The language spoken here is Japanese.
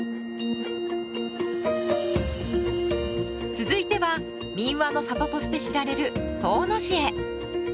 続いては民話の里として知られる遠野市へ。